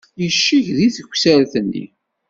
Yecceg deg teksart-nni.